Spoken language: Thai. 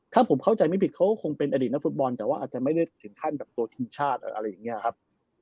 ถ้าผมเข้าใจไม่ผิดเขาก็คงเป็นอดีตนักฟุตบอลแต่ว่าอาจจะไม่ได้ถึงขั้นแบบตัวทีมชาติอะไรอย่างนี้ครับ